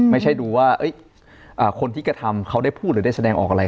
ไม่ใช่ดูว่าคนที่กระทำเขาได้พูดหรือได้แสดงออกอะไร